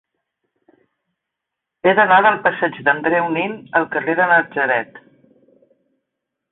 He d'anar del passeig d'Andreu Nin al carrer de Natzaret.